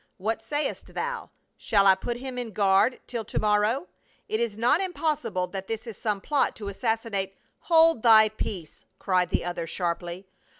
What sayest thou, shall I put him in guard till to morrow ? It is not impossible that this is some plot to assassinate —"" Hold thy peace !" cried the other, sharply.